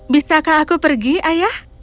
bisakah aku pergi ayah